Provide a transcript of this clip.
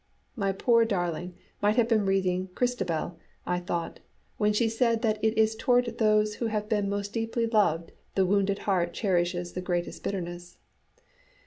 My poor darling might have been reading Christabel, I thought, when she said that it is toward those who have been most deeply loved the wounded heart cherishes the greatest bitterness.